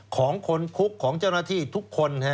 ของคนคุกของเจ้าหน้าที่ทุกคน